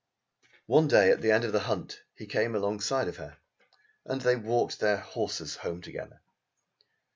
One day at the end of the hunt he came alongside of her and they walked their horses home together.